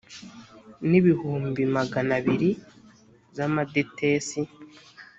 n ibihumbi magana abiri z amadetesi